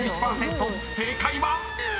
［正解は⁉］